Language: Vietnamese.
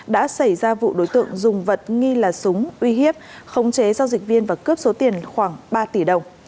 đã xảy ra vụ đối tượng dùng vật nghi là súng uy hiếp khống chế giao dịch viên và cướp số tiền khoảng ba tỷ đồng